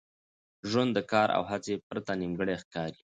ژوند د کار او هڅي پرته نیمګړی ښکاري.